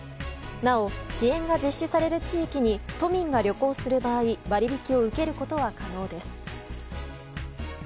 なお支援が実施される地域に都民が旅行する場合割引を受けることは可能です。